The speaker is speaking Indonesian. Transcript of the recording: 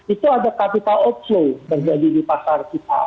itu ada capital outflow terjadi di pasar kita